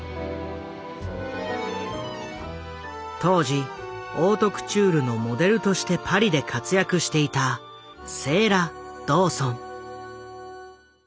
当時オートクチュールのモデルとしてパリで活躍していたセーラ・ドーソン。